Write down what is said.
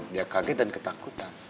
dia kaget dan ketakutan